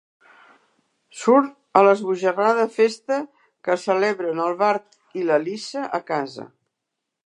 Surt a l'esbojarrada festa que celebren el Bart i la Lisa a casa.